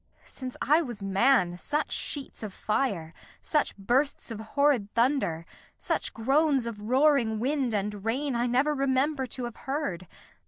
Since I was man, Such sheets of fire, such bursts of horrid thunder, Such groans of roaring wind and rain, I never Remember to have heard.